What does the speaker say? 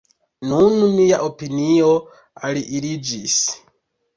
Nun mia opinio aliiĝis.